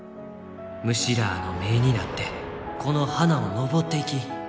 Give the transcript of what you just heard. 虫らあの目になってこの花を登っていき。